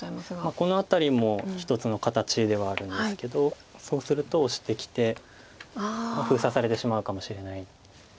この辺りも一つの形ではあるんですけどそうするとオシてきて封鎖されてしまうかもしれない。